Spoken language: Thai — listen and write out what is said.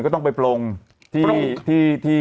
ก็ต้องไปปลงที่